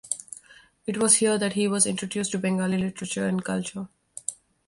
It was here that he was introduced to Bengali literature and culture.